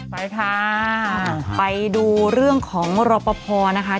ไปค่ะไปดูเรื่องของรปภนะคะ